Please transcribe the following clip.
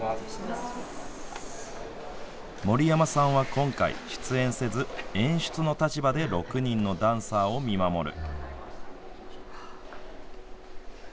森山さんは今回、出演せず、演出の立場で６人のダンサーを見守る。